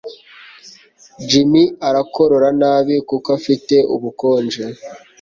Jimmy arakorora nabi kuko afite ubukonje.